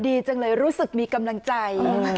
ดีจังเลยรู้สึกมีกำลังใจ